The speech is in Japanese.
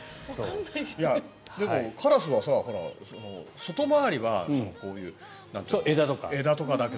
でも、カラスは外回りはこういう枝とかだけど。